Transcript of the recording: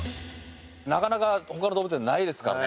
なかなか他の動物園ないですからね。